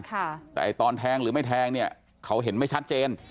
แต่ตอนแทงหรือไม่แทงเนี่ยเขาเห็นไม่ชัดเจน